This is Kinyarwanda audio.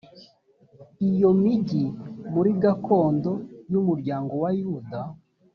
iyo migi muri gakondo y umuryango wa yuda